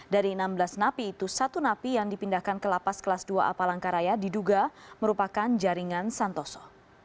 dari enam belas napi itu satu napi yang dipindahkan ke lapas kelas dua a palangkaraya diduga merupakan jaringan santoso